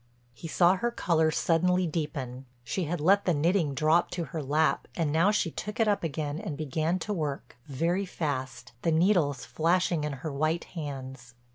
He saw her color suddenly deepen. She had let the knitting drop to her lap and now she took it up again and began to work, very fast, the needles flashing in her white hands.